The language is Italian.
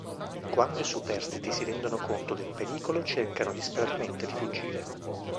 Quando i superstiti si rendono conto del pericolo cercano disperatamente di fuggire.